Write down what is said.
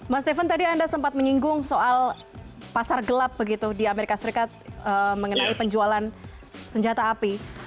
mas steven tadi anda sempat menyinggung soal pasar gelap begitu di amerika serikat mengenai penjualan senjata api